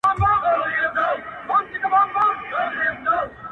د نورو د ستم په گيلاسونو کي ورک نه يم،